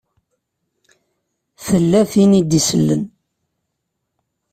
Tella tin i d-isellen.